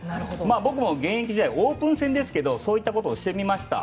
僕も現役時代オープン戦ですけどそういったことをしてみました。